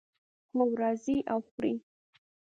هو، راځئ او وخورئ